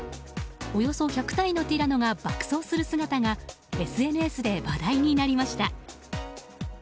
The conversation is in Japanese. およそ１００体のティラノが爆走する姿がＳＮＳで話題になりました。